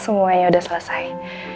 semuanya udah selesai